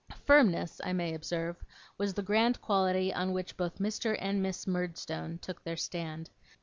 Firmness, I may observe, was the grand quality on which both Mr. and Miss Murdstone took their stand.